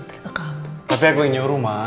tapi aku yang nyuruh ma